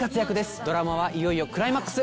ドラマはいよいよクライマックス。